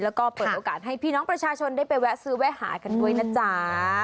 แล้วก็เปิดโอกาสให้พี่น้องประชาชนได้ไปแวะซื้อแวะหากันด้วยนะจ๊ะ